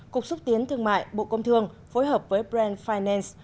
cục xúc tiến thương mại bộ công thương phối hợp với brand finance